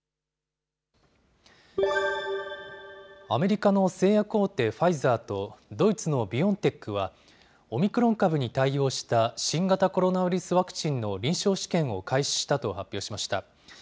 アメリカの製薬大手、ファイザーと、ドイツのビオンテックは、オミクロン株に対応した新型コロナウイルスワクチンの臨床試験を開始したと発表しました。